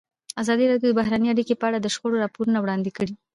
ازادي راډیو د بهرنۍ اړیکې په اړه د شخړو راپورونه وړاندې کړي.